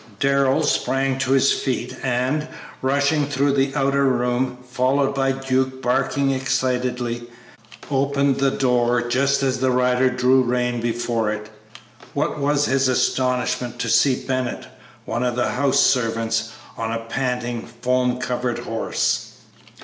Darrell sprang to his feet and, rushing through the outer room, followed by Duke barking excitedly, opened the door just as the rider drew rein before it. What was his astonishment to see Bennett, one of the house servants, on a panting, foam covered horse.